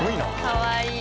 かわいい。